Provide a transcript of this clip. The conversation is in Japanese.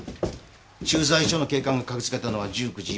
駐在所の警官が駆けつけたのは１９時４２分。